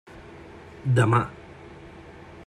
Demà.